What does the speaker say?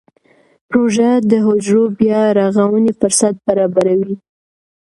روژه د حجرو بیا رغونې فرصت برابروي.